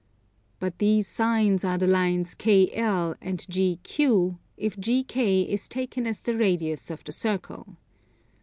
But these sines are the lines KL and GQ, if GK is taken as the radius of the circle.